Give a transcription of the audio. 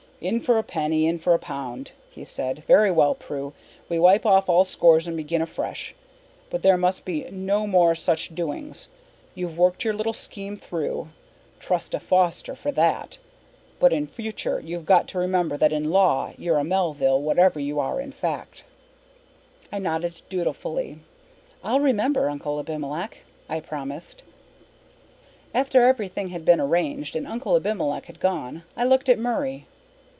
"In for a penny, in for a pound," he said. "Very well, Prue. We wipe off all scores and begin afresh. But there must be no more such doings. You've worked your little scheme through trust a Foster for that! But in future you've got to remember that in law you're a Melville whatever you are in fact." I nodded dutifully. "I'll remember, Uncle Abimelech," I promised. After everything had been arranged and Uncle Abimelech had gone I looked at Murray.